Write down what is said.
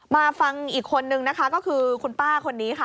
มาฟังอีกคนนึงนะคะก็คือคุณป้าคนนี้ค่ะ